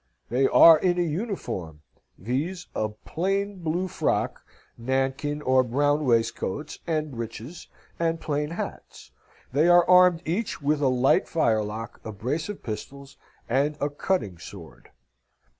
They are in a uniform: viz., a plain blue frock, nanquin or brown waistcoats and breeches, and plain hats. They are armed each with a light firelock, a brace of pistols, and a cutting sword."